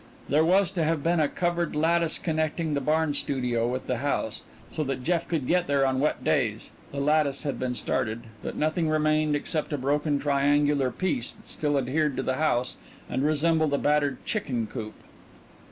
There was to have been a covered lattice connecting the barn studio with the house, so that Jeff could get there on wet days the lattice had been started, but nothing remained except a broken triangular piece that still adhered to the house and resembled a battered chicken coop.